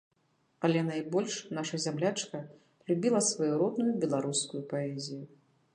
Але найбольш наша зямлячка любіла сваю родную беларускую паэзію.